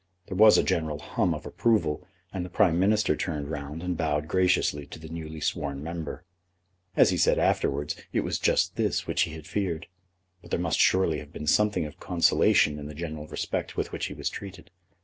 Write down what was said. There was a general hum of approval, and the Prime Minister turned round and bowed graciously to the newly sworn member. As he said afterwards, it was just this which he had feared. But there must surely have been something of consolation in the general respect with which he was treated.